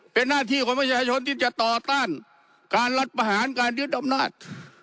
เป็นหน้าที่ของประชาชนที่จะต่อต้านการรัฐประหารการยึดอำนาจ